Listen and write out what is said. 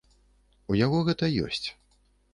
У яго гэта ёсць.